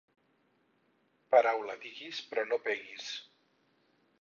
Paraula diguis, però no peguis.